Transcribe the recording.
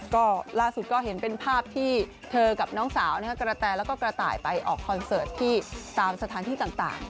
ก็ล่าสุดก็เห็นเป็นภาพที่เธอกับน้องสาวกระแตแล้วก็กระต่ายไปออกคอนเสิร์ตที่ตามสถานที่ต่าง